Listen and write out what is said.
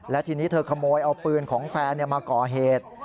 และทีนี้เธอขโมยเอาปืนของแฟนมาก่อเหตุ